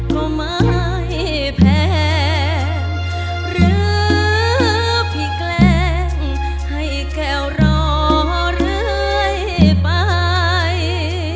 ก็ไม่แพงหรือพี่แกล้งให้แก้วรอเรื่อยไป